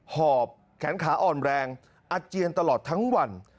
หอบแขนขาอ่อนแรงอาเจียนตลอดทั้งวัน